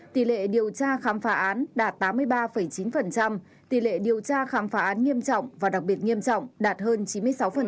tỷ lệ điều tra khám phá án đạt tám mươi ba chín tỷ lệ điều tra khám phá án nghiêm trọng và đặc biệt nghiêm trọng đạt hơn chín mươi sáu